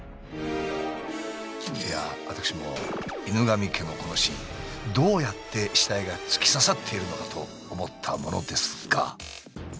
いやあ私も「犬神家」のこのシーンどうやって死体が突き刺さっているのかと思ったものですが。